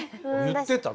言ってた。